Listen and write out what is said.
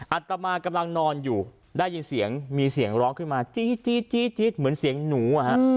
อัตมากำลังนอนอยู่ได้ยินเสียงมีเสียงร้องขึ้นมาจี๊ดจี๊ดจี๊ดจี๊ดเหมือนเสียงหนูอ่ะฮะ